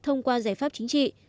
thông qua giải pháp chính trị